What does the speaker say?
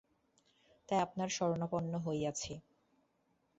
তাই আপনার শরণাপন্ন হইয়াছি।